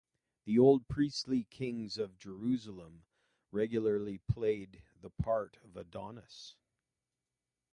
The old priestly kings of Jerusalem regularly played the part of Adonis.